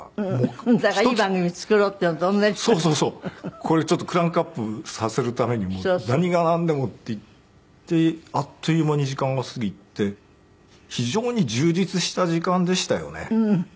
これちょっとクランクアップさせるためにも何がなんでもっていってあっという間に時間が過ぎて非常に充実した時間でしたよね。